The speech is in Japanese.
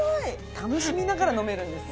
楽しみながら飲めるんですね。